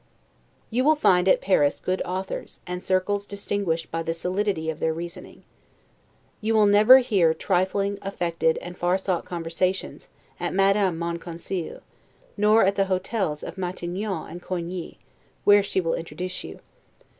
You will find at Paris good authors, and circles distinguished by the solidity of their reasoning. You will never hear TRIFLING, AFFECTED, and far sought conversations, at Madame de Monconseil's, nor at the hotels of Matignon and Coigni, where she will introduce you.